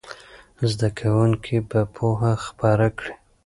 زده کوونکي به پوهه خپره کړي.